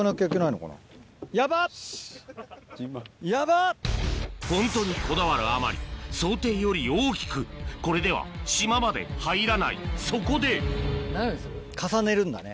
がフォントにこだわるあまり想定より大きくこれでは「島」まで入らないそこで斜めにする？